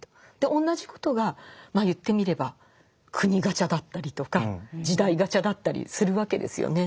同じことが言ってみれば国ガチャだったりとか時代ガチャだったりするわけですよね。